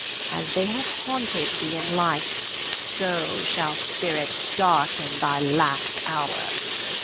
As they have haunted thee in life, so shall spirits darken thy last hour.